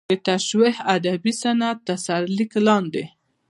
د توشیح ادبي صنعت تر سرلیک لاندې.